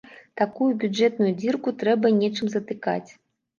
Такую бюджэтную дзірку трэба нечым затыкаць.